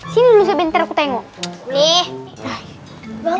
sini dulu sebentar aku tengok nih